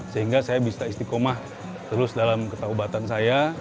sehingga saya bisa istiqomah terus dalam ketakubatan saya